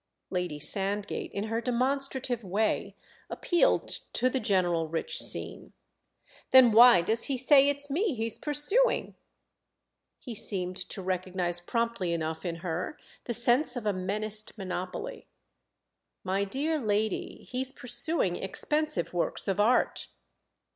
Lady Sandgate, in her demonstrative way, appealed to the general rich scene. "Then why does he say it's me he's pursuing?" He seemed to recognise promptly enough in her the sense of a menaced monopoly. "My dear lady, he's pursuing expensive works of art."